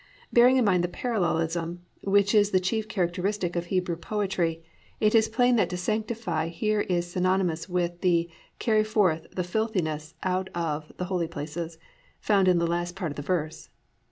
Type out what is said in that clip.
"+ Bearing in mind the "parallelism" which is the chief characteristic of Hebrew poetry, it is plain that to sanctify here is synonymous with the +"Carry forth the filthiness out of the holy places"+ found in the last part of the verse.